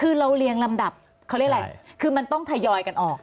คือเราเรียงลำดับเขาเรียกอะไรคือมันต้องทยอยกันออก